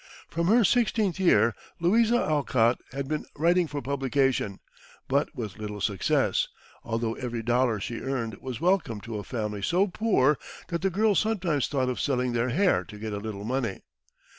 From her sixteenth year, Louisa Alcott had been writing for publication, but with little success, although every dollar she earned was welcome to a family so poor that the girls sometimes thought of selling their hair to get a little money.